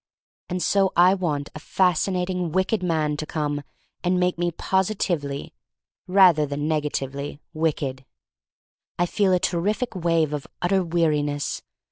And so I want a fascinating wicked man to come and make me positively, rather than negatively, wicked. I feel a terrific wave of utter weariness.